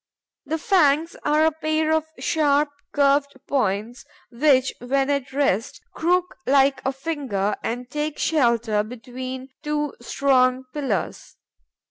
The fangs are a pair of sharp, curved points, which, when at rest, crook like a finger and take shelter between two strong pillars.